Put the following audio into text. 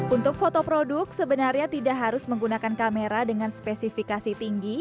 untuk foto produk sebenarnya tidak harus menggunakan kamera dengan spesifikasi tinggi